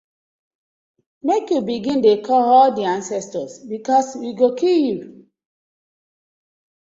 Mek yu begin de call all de ancestors because we go kill yu.